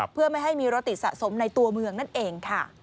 เพื่อไม่ให้มีรถติดสะสมในตัวเมืองนั่นเองค่ะ